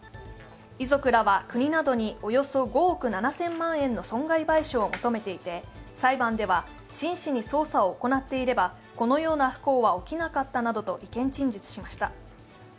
遺族らは国などにおよそ５億７０００万円の損害賠償を求めていて裁判では真摯に捜査を行っていれば、このような不幸は起きなかったなどと意見陳述しました。